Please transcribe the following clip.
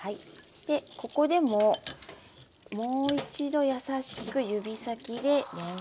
ここでももう一度優しく指先でれんこんを。